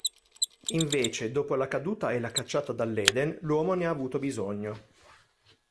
Invece dopo la caduta e la cacciata dll'Eden, l'uomo ne ha avuto bisogno.